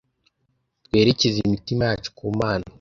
twerekeze imitima yacu ku mana .